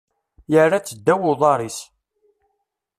Yerra-tt ddaw uḍar-is.